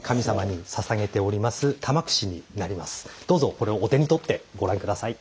どうぞこれをお手に取ってご覧下さい。